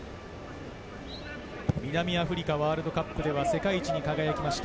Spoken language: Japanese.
南アフリカワールドカップでは世界一に輝きました。